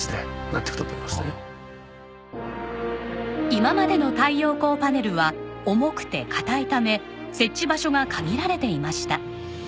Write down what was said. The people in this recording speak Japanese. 今までの太陽光パネルは重くて硬いため設置場所が限られていました。